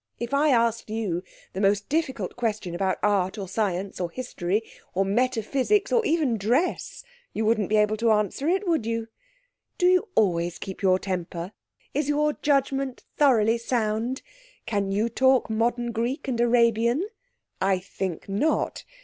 If I asked you the most difficult question about art or science or history or metaphysics, or even dress, you wouldn't be able to answer it, would you? Do you always keep your temper? Is your judgement thoroughly sound? Can you talk modern Greek, and Arabian? I think not.